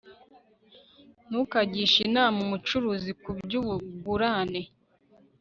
ntukagishe inama umucuruzi ku by'ubugurane